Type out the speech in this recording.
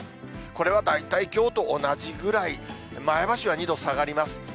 これは大体きょうと同じぐらい、前橋は２度下がります。